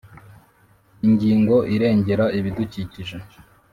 Ingingo irengera ibidukikije